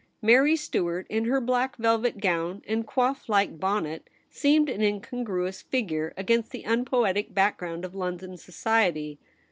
Mary Stuart, in her black velvet gown and coif like bonnet, seemed an incongruous figure against the unpoetic background of London society.